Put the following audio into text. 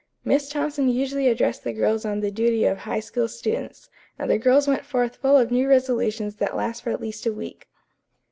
Miss Thompson usually addressed the girls on the duty of High School students, and the girls went forth full of new resolutions that last for at least a week.